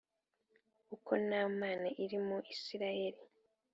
uko nta Mana iri muri Isirayeli